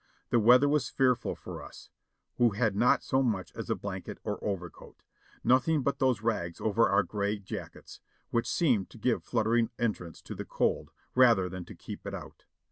The weather was fearful for us, who had not so much as a blanket or overcoat; nothing but those rags over our gray jack ets, which seemed to give fluttering entrance to the cold, rather than to keep it out.